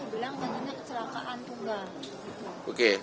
bilang terjadinya kecelakaan tunggal